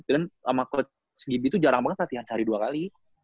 dan coach gibi tuh jarang banget latihan sehari dua kali